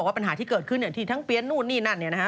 ว่าปัญหาที่เกิดขึ้นที่ทั้งเปี๊ยนนู่นนี่นั่นเนี่ยนะฮะ